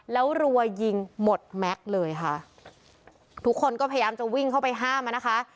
แล้วรัวยิงหมดแม็กซ์เลยค่ะทุกคนก็พยายามจะวิ่งเข้าไปห้ามอ่ะนะคะ